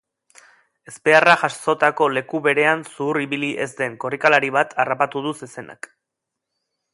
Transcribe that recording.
Ezbeharra jazotako leku berean zuhur ibili ez den korrikalari bat harrapatu du zezenak.